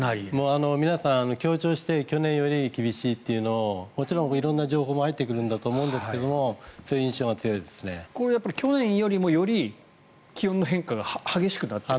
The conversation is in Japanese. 皆さん、強調して去年より厳しいというのをもちろん色んな情報も入ってくるんだと思いますが去年よりもより気温の変化が激しくなっている。